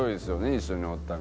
一緒におったら。